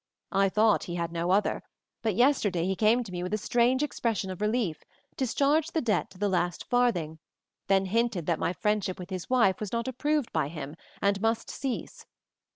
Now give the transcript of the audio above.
I thought he had no other, but yesterday he came to me with a strange expression of relief, discharged the debt to the last farthing, then hinted that my friendship with his wife was not approved by him and must cease.